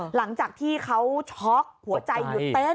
หลังจากที่เขาช็อกหัวใจหยุดเต้น